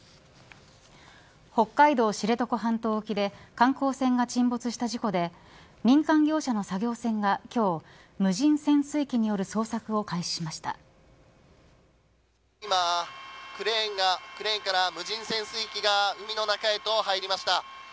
北海道知床半島沖で観光船が沈没した事故で民間業者の作業船が今日、無人潜水機による捜索を今、クレーンから無人潜水機が海の中へと入りました。